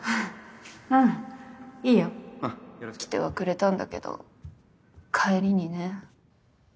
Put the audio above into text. うんいいよ来てはくれたんだけど帰りにね。